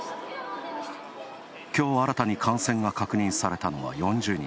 きょう新たに感染が確認されたのは４０人。